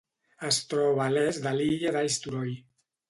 Es troba a l'est de l'illa d'Eysturoy.